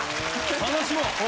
楽しもう。